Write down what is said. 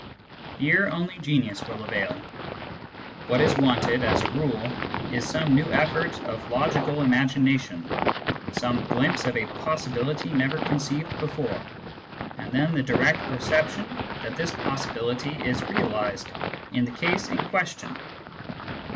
Here only genius will avail. What is wanted, as a rule, is some new effiDrt of logical imagination, some glimpse of a possibility never conceived before, and then the direct perception that this possibility is realised in the case in question.